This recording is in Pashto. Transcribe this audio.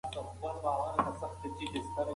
د دروازې ټک د هغې په زړه کې د امید ډېوه بله کړه.